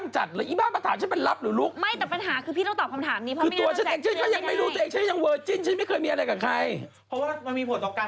จะส่วนมากจะบอกว่าเธอกับหนุ่มจะคู่กันไม่งั้นแสดงไม่ได้อย่างนี้